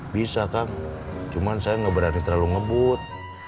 bisa kang cuman saya nggak berani terlalu ngebut